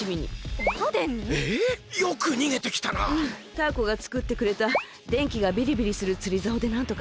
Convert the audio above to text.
タアコがつくってくれたでんきがビリビリするつりざおでなんとか。